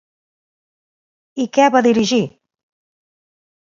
I què va dirigir?